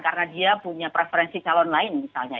karena dia punya preferensi calon lain misalnya